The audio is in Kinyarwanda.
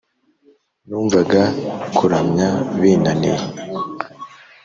numvaga kuramya binaniye